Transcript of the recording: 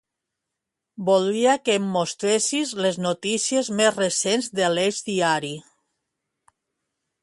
Voldria que em mostressis les notícies més recents de l'"Eix Diari".